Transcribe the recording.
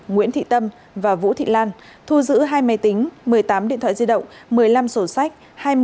nguyễn thị tâm và vũ thị lan thu giữ hai máy tính một mươi tám điện thoại di động một mươi năm sổ sách